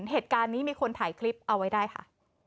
เหตุการณ์นี้มีคนถ่ายคลิปเอาไว้ได้ค่ะ